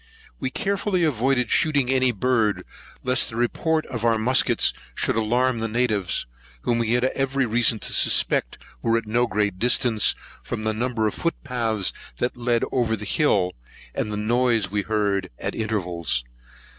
We carefully avoided shooting at any bird, lest the report of the muskets should alarm the natives, whom we had every reason to suspect were at no great distance, from the number of foot paths that led over the hill, and the noise we heard at intervals.